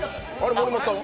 森本さんは？